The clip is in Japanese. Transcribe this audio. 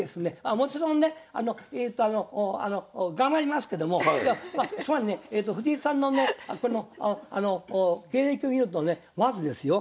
もちろんねえとあの頑張りますけどもつまりね藤井さんのね経歴を見るとねまずですよ